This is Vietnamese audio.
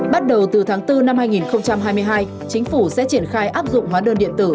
bắt đầu từ tháng bốn năm hai nghìn hai mươi hai chính phủ sẽ triển khai áp dụng hóa đơn điện tử